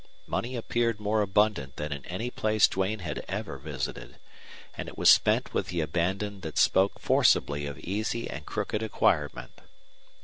Money appeared more abundant than in any place Duane had ever visited; and it was spent with the abandon that spoke forcibly of easy and crooked acquirement.